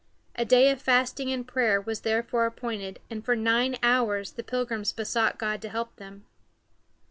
A day of fasting and prayer was therefore appointed, and for nine hours the Pilgrims besought God to help them.